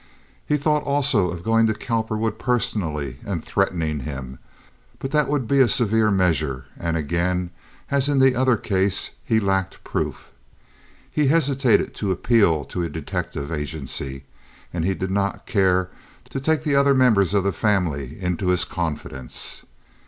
He thought also of going to Cowperwood personally and threatening him, but that would be a severe measure, and again, as in the other case, he lacked proof. He hesitated to appeal to a detective agency, and he did not care to take the other members of the family into his confidence.